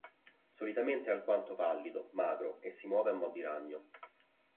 Solitamente, è alquanto pallido, magro e si muove a mo' di ragno.